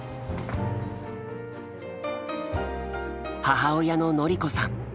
母親の典子さん。